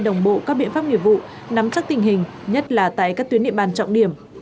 đồng bộ các biện pháp nghiệp vụ nắm chắc tình hình nhất là tại các tuyến địa bàn trọng điểm